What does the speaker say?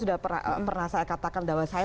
sudah pernah saya katakan bahwa saya